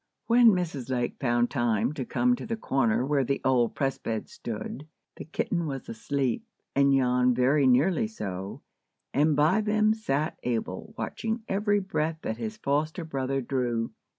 When Mrs. Lake found time to come to the corner where the old press bed stood, the kitten was asleep, and Jan very nearly so; and by them sat Abel, watching every breath that his foster brother drew.